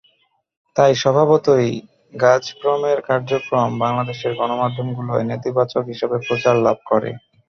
তাই স্বভাবতই গাজপ্রমের কার্যক্রম বাংলাদেশের গণমাধ্যমগুলোয় নেতিবাচক হিসেবে প্রচার লাভ করে।